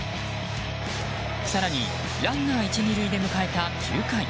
更にランナー１、２塁で迎えた９回。